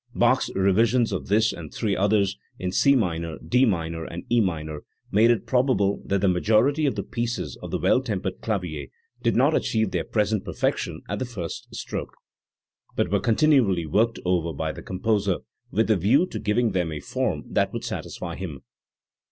Bach's revisions of this and three others (in C minor, D minor, and E minor) made it probable that the majority of the pieces of the Well tempered Clavier did not achieve their present perfection at the first stroke, * B. G. XIV (18166). 332 XV. The Clavier Works. but were continually worked over by the composer with a view to giving them a form that would satisfy him.